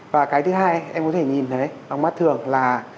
và cái thứ hai em có thể nhìn thấy bằng mắt thường là